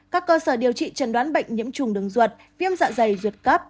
các cơ sở điều trị trần đoán bệnh nhiễm trùng đường ruột viêm dạ dày ruột cấp